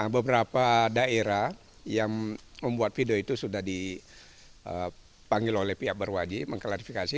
beberapa daerah yang membuat video itu sudah dipanggil oleh pihak berwajib mengklarifikasi